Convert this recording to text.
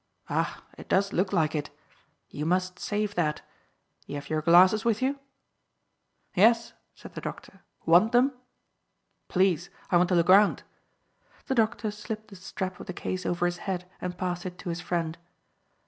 "Ah, it does look like it. You must save that. You have your glasses with you?" "Yes," said the doctor. "Want them?" "Please. I want to look round." The doctor slipped the strap of the case over his head and passed it to his friend.